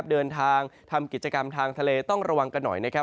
เดินทางทำกิจกรรมทางทะเลต้องระวังกันหน่อยนะครับ